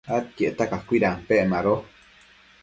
adquiecta cacuidampec mado